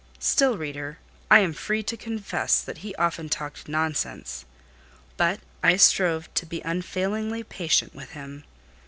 Still, reader, I am free to confess, that he often talked nonsense; but I strove to be unfailingly patient with him.